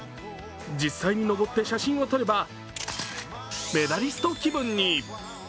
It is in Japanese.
実際に上って写真を撮ればメダリスト気分に。